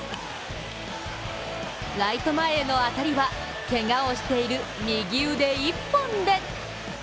ライト前への当たりはけがをしている右腕一本で。